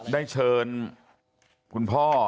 ได้เชิญคุณพ่อ